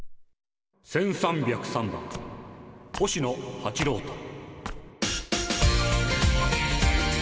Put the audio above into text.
１３０３番星野八郎太。